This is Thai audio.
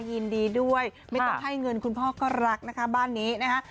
ยินดีด้วยไม่ต้องให้เงินคุณพ่อก็รักนะคะบ้านนี้นะคะ